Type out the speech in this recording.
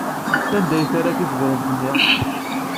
Sanda ay terra tisebrent-nni?